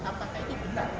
apakah ini benar